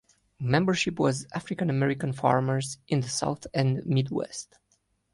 Membership was African American farmers in the south and Midwest.